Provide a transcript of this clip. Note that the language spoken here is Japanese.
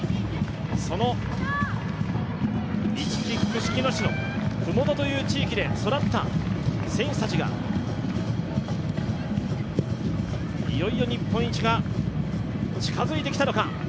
そのいちき串木野市のふもとという地域で育った選手たちがいよいよ日本一が近づいてきたのか。